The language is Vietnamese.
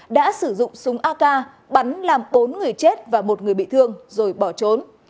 đã sử dụng súng ak bắn làm bốn người chết và một người bị thương rồi bỏ trốn